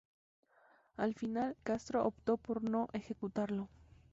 Al final, Castro optó por no ejecutarlo.